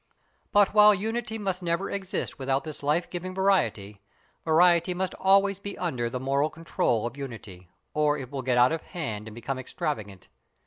But while unity must never exist without this life giving variety, variety must always be under the moral control of unity, or it will get out of hand and become extravagant.